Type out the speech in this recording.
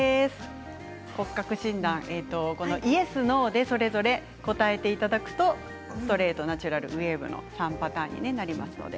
イエス、ノーでそれぞれ答えていただくとストレート、ナチュラルウエーブの３パターンになります。